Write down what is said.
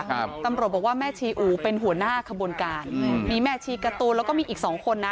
ครับตำรวจบอกว่าแม่ชีอู๋เป็นหัวหน้าขบวนการอืมมีแม่ชีการ์ตูนแล้วก็มีอีกสองคนนะ